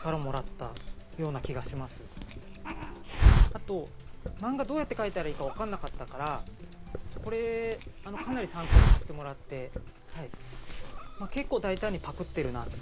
あと漫画どうやって描いたらいいか分かんなかったからこれかなり参考にさせてもらってはい。